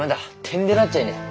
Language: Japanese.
てんでなっちゃいねえ。